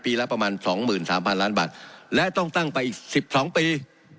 ปีละประมาณสองหมื่นสามพันล้านบาทและต้องตั้งไปอีกสิบสองปี